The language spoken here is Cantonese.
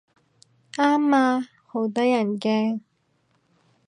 啱啊，好得人驚